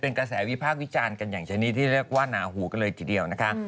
เป็นกระแสวิพากษ์วิจารณ์กันอย่างชนิดที่เรียกว่าหนาหูกันเลยทีเดียวนะคะ